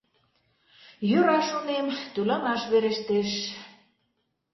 Йӧра, шонем, тӱланаш верештеш.